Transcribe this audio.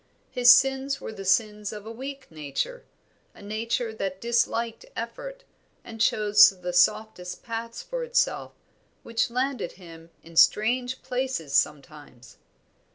His sins were the sins of a weak nature, a nature that disliked effort, and chose the softest paths for itself, and which landed him in strange places sometimes.